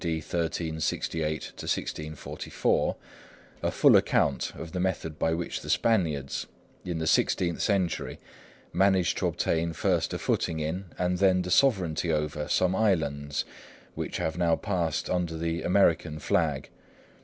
D. 1368 1644, a full account of the method by which the Spaniards, in the sixteenth century, managed to obtain first a footing in, and then the sovereignty over, some islands which have now passed under the American flag.